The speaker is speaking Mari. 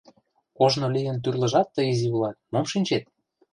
Ожно лийын тӱрлыжат Тый изи улат — мом шинчет!